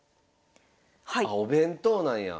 あお弁当なんや。